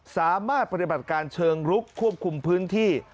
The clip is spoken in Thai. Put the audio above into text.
สามารถปฏิบัติการเชิงลุกควบคุมพื้นที่